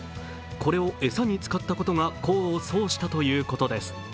これを餌に使ったことが功を奏したということです。